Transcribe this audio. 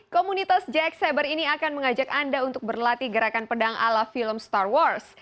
komunitas jack cyber ini akan mengajak anda untuk berlatih gerakan pedang ala film star wars